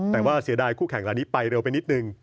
แต่ว่าเสียดายคู่แข่งร้านนี้ไปเร็วไปนิดนึง